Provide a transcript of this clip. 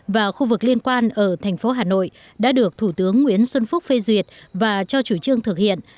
và khu vực liên quan ở thành phố hà nội đã được thủ tướng nguyễn xuân phúc phê duyệt và cho chủ trương thực hiện